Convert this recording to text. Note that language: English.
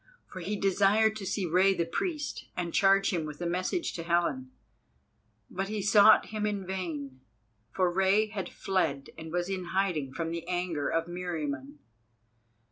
For he desired to see Rei the Priest, and charge him with a message to Helen. But he sought him in vain, for Rei had fled, and was in hiding from the anger of Meriamun.